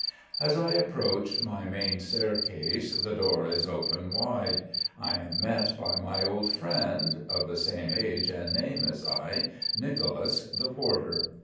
As I approach my main staircase the door is open wide. I am met by my old friend, of the same age and name as I, Nicolas the porter.